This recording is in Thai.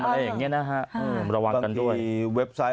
อะไรอย่างนี้นะฮะระวังกันด้วย